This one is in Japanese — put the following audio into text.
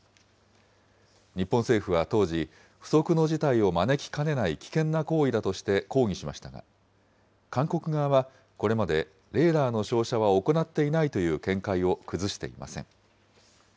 日本政府は当時、不測の事態を招きかねない危険な行為だとして、抗議しましたが、韓国側はこれまで、レーダーの照射は行っていないという見解を崩していません。